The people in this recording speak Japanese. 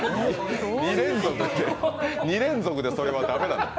２連続でそれは駄目なのよ。